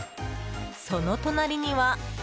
その隣には。